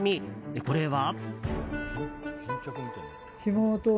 これは。